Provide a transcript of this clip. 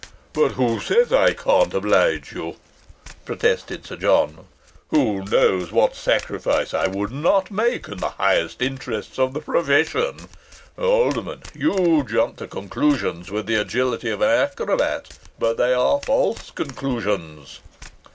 "But who says I can't oblige you?" protested Sir John. "Who knows what sacrifices I would not make in the highest interests of the profession? Alderman, you jump to conclusions with the agility of an acrobat, but they are false conclusions!